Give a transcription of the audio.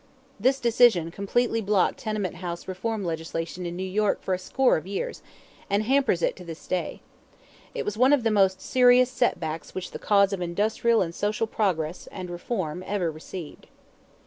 This decision completely blocked tenement house reform legislation in New York for a score of years, and hampers it to this day. It was one of the most serious setbacks which the cause of industrial and social progress and reform ever received.